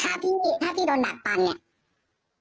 ถ้าพี่ถ้าพี่โดนดัดปั่นเนี่ย